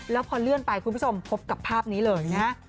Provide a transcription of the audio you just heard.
แล้วพอเลื่อนไปคุณผู้ชมพบกับภาพนี้เลยนะฮะ